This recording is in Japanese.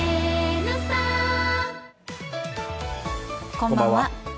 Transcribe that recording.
こんばんは。